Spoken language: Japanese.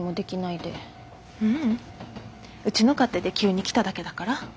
うちの勝手で急に来ただけだから。